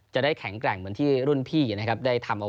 จะได้แข็งแกร่งเหมือนที่รุ่นพี่นะครับได้ทำเอาไว้